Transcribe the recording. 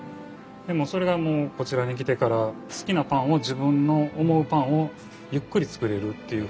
でもそれがもうこちらに来てから好きなパンを自分の思うパンをゆっくり作れるっていうふうに。